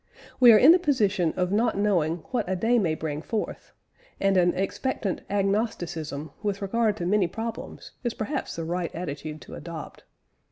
We are in the position of not knowing what a day may bring forth; and an expectant agnosticism with regard to many problems is perhaps the right attitude to adopt.